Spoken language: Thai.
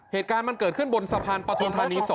เหตุการณ์มันเกิดขึ้นบนสะพานปฐุมธานี๒